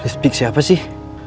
listrik siapa sih